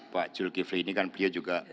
pak jul givli ini kan beliau juga